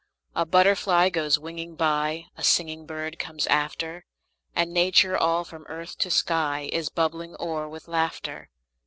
A butterfly goes winging by; A singing bird comes after; And Nature, all from earth to sky, Is bubbling o'er with laughter.